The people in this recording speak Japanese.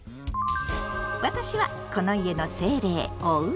私はこの家の精霊「おうち」。